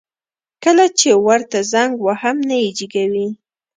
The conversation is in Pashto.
کله چي ورته زنګ وهم نه يي جګوي